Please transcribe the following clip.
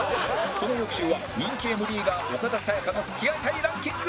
その翌週は人気 Ｍ リーガー岡田紗佳の付き合いたいランキング